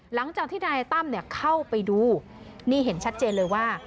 หลังจากที่นายตั้มเข้าไปดูนี่เห็นชัดเจนเลยว่า